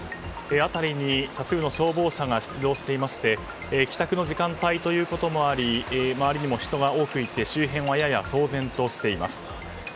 辺りに多数の消防車が出動していまして帰宅の時間帯ということもあり周りにも人が多くいて周辺は、やや騒然としています。